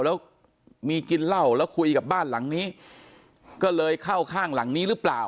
แล้วมีกินเหล้าแล้วคุยกับบ้านหลังนี้ก็เลยเข้าข้างหลังนี้หรือเปล่า